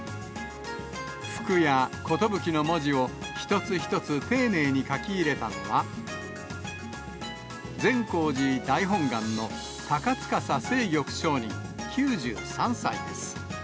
福や寿の文字を、一つ一つ丁寧に書き入れたのは、善光寺大本願の鷹司誓玉上人９３歳です。